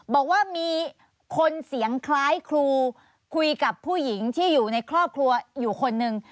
บอกว่ามีคนเสียงคล้ายครูคุยกับผู้หญิงที่อยู่ในครอบครัวอยู่คนหนึ่ง